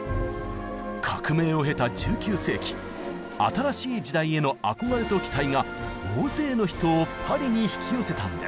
革命を経た１９世紀新しい時代への憧れと期待が大勢の人をパリに引き寄せたんです。